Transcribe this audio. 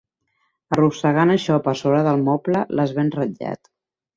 Arrossegant això per sobre del moble l'has ben ratllat.